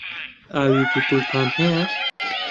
ئاوی بوتڵتان هەیە؟